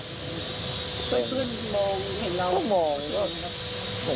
เขาย้อนเมื่อนมองฯเขามอง